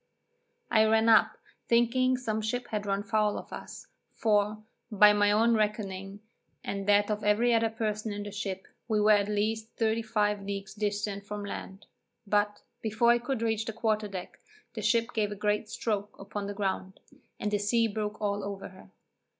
I ran up, thinking some ship had run foul of us, for, by my own reckoning, and that of every other person in the ship, we were at least 35 leagues distant from land; but, before I could reach the quarter deck, the ship gave a great stroke upon the ground, and the sea broke all over her.